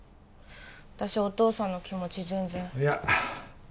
私お父さんの気持ち全然いや